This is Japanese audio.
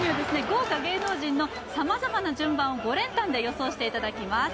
豪華芸能人の様々な順番を５連単で予想していただきます